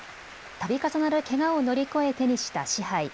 たび重なるけがを乗り越え手にした賜杯。